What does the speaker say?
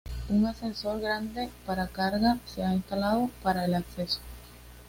Un ascensor grande para carga se ha instalado para el acceso.